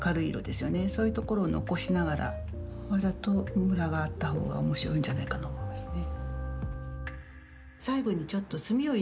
そういう所を残しながらわざとムラがあったほうが面白いんじゃないかなと思いますね。